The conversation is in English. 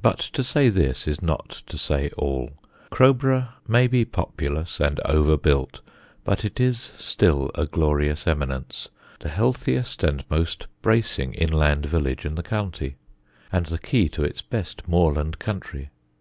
But to say this is not to say all. Crowborough may be populous and over built; but it is still a glorious eminence, the healthiest and most bracing inland village in the county, and the key to its best moorland country.